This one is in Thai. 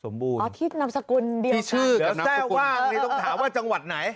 สมบูรณ์ที่นับสกุลเดียวกันที่ชื่อกับนับสกุลแล้วแทร่ว่างนี่ต้องถามว่าจังหวัดไหน